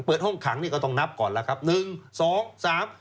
เปิดห้องขังนี่ก็ต้องนับก่อนแล้วครับหนึ่งสองสาม